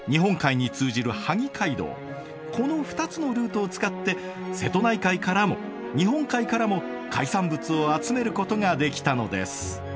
この２つのルートを使って瀬戸内海からも日本海からも海産物を集めることができたのです。